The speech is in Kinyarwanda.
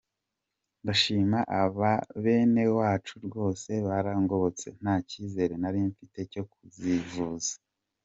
Ndashima aba bene wacu rwose barangobotse, nta cyizere nari mfite cyo kuzivuza.